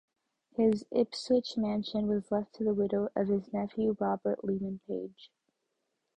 His Ipswich mansion was left to the widow of his nephew Robert Leman Page.